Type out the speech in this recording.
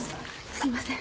すいません。